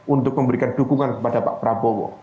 untuk memberikan dukungan kepada pak prabowo